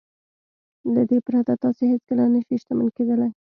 له دې پرته تاسې هېڅکله نه شئ شتمن کېدلای.